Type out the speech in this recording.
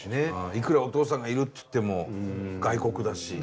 いくらお父さんがいるっていっても外国だし。